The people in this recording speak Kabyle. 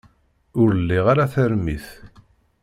Ur liɣ ara tarmit.